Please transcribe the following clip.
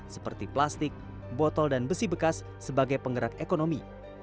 seperti plastik botol dan besi bekas sebagai penggerak ekonomi